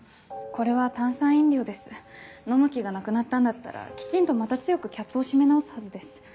これは炭酸飲料です飲む気がなくなったんだったらキチンとまた強くキャップを閉め直すはずです。